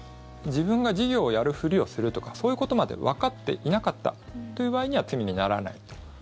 自分が事業をやるふりをするとかそういうことまでわかってなかったという場合には罪にならない。